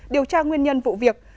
điều tra nguyên nhân vụ việc